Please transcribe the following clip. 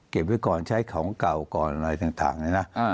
เก็บไว้ก่อนใช้ของเก่าก่อนอะไรต่างเนี้ยนะอ่า